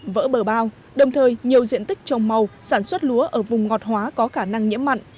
vỡ bờ bao đồng thời nhiều diện tích trồng màu sản xuất lúa ở vùng ngọt hóa có khả năng nhiễm mặn